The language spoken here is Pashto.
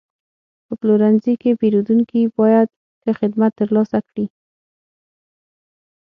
په پلورنځي کې پیرودونکي باید ښه خدمت ترلاسه کړي.